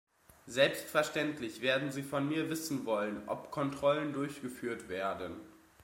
Selbstverständlich werden Sie von mir wissen wollen, ob Kontrollen durchgeführt werden.